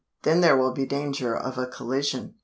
Then there will be danger of a collision.